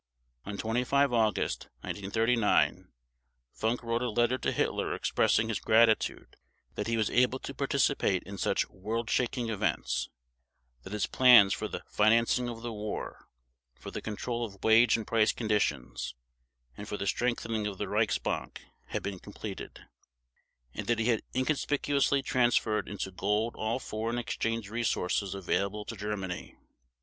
On 25 August 1939 Funk wrote a letter to Hitler expressing his gratitude that he was able to participate in such world shaking events; that his plans for the "financing of the war", for the control of wage and price conditions and for the strengthening of the Reichsbank had been completed; and that he had inconspicuously transferred into gold all foreign exchange resources available to Germany.